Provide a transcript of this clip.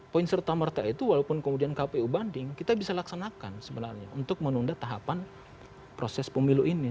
poin serta merta itu walaupun kemudian kpu banding kita bisa laksanakan sebenarnya untuk menunda tahapan proses pemilu ini